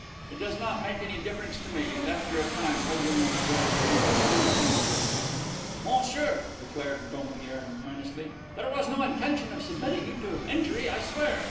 "It does not make any difference to me, and after a time holding one's breath becomes really painful." "Monsieur," declared Dompierre earnestly, "there was no intention of submitting you to injury, I swear.